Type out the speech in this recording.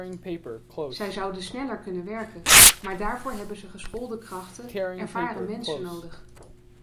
Zij zouden sneller kunnen werken, maar daarvoor hebben ze geschoolde krachten, ervaren mensen nodig.